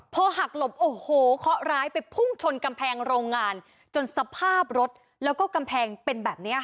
พอหักหลบโอ้โหเคาะร้ายไปพุ่งชนกำแพงโรงงาน